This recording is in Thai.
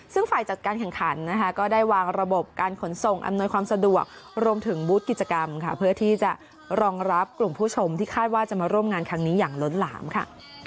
ซึ่งฝ่ายจัดการแข่งขันนะคะก็ได้วางระบบการขนส่งอำนวยความสะดวกรวมถึงบูธกิจกรรมค่ะเพื่อที่จะรองรับกลุ่มผู้ชมที่คาดว่าจะมาร่วมงานครั้งนี้อย่างล้นหลามค่ะ